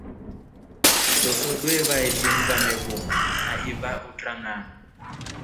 Sooso dwevaeshimu wameku na iva utranga.